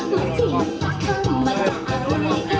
มาร้องจะเข้ามา